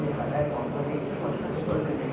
สวัสดีครับ